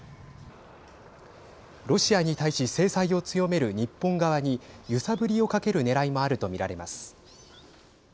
ロシアに対し制裁を強める日本側に揺さぶりをかけるねらいもあると見られます。